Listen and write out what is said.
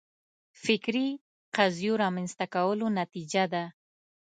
فکري قضیو رامنځته کولو نتیجه ده